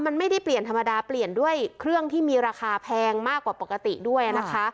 มันไม่ได้เปลี่ยนธรรมดาเปลี่ยนด้วยเครื่องที่มีราคาแพงมากกว่าปกติด้วยนะคะ